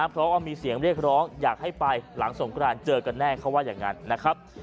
เพราะว่ามีเสียงเรียกร้องอยากให้ไปหลังสงกรานเจอกันแน่เขาว่าอย่างนั้นนะครับ